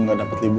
gak dapat libu